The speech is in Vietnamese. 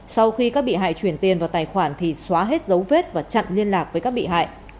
sau khi các bị hại chuyển tiền vào tài khoản thì xóa hết dấu vết và chặn liên lạc với các bị hại